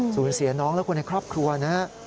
สูญเสียน้องและคนในครอบครัวนะฮะ